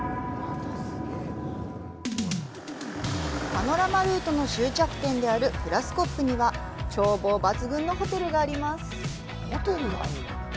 パノラマルートの終着点であるフラスコップには眺望抜群のホテルがあります。